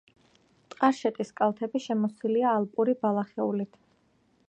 ტყარშეტის კალთები შემოსილია ალპური ბალახეულით.